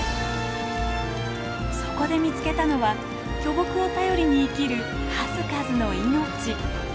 そこで見つけたのは巨木を頼りに生きる数々の命。